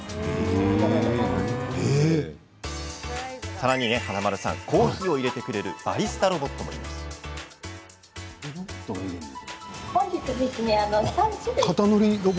さらに、コーヒーをいれてくれるバリスタロボットもいます。